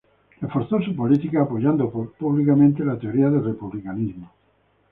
Reforzó su política apoyando públicamente la teoría del republicanismo.